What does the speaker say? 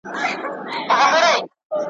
او د پنځلس کلنۍ په عمر